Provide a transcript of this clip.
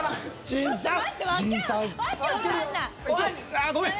ああごめん！